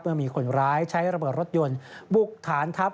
เมื่อมีคนร้ายใช้ระเบิดรถยนต์บุกฐานทัพ